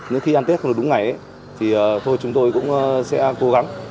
nếu khi ăn tết không được đúng ngày thì thôi chúng tôi cũng sẽ cố gắng